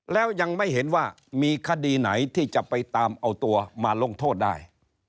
แล้วยังไม่เห็นว่ามีคดีไหนที่จะไปตามเอาตัวมาลงโทษได้